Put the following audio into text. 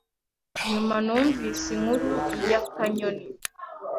Nyuma numvise inkuru y’akanyoni